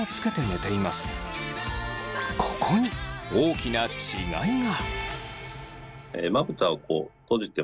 ここに大きな違いが！